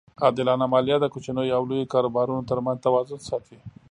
عادلانه مالیه د کوچنیو او لویو کاروبارونو ترمنځ توازن ساتي.